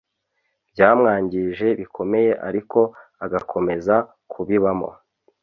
byamwangije bikomeye ariko agakomeza kubibamo,